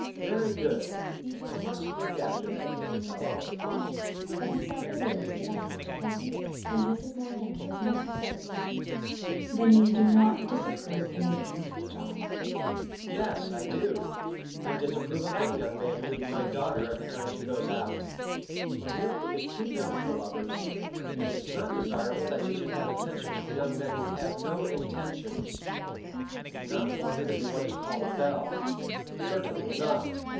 "Very good. I must look after that young fellow." But he said the words without much care, and Mrs. Moran was not satisfied. "Then you do not disapprove the meeting, John?" she asked. "Yes, I do. I disapprove of any young man meeting my daughter every time she goes out. Cornelia is too young for lovers, and it is not desirable that she should have attentions from young men who have no intentions. I do not want her to be what is called a belle. Certainly not."